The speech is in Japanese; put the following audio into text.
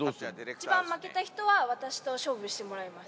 一番負けた人は、私と勝負してもらいます。